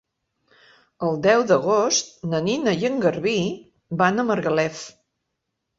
El deu d'agost na Nina i en Garbí van a Margalef.